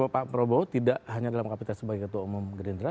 pak prabowo tidak hanya dalam kapasitas sebagai ketua umum gerindra